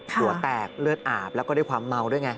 หัวแตกเลือดอาบแล้วก็ด้วยความเมาด้วยไง